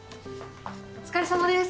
お疲れさまです。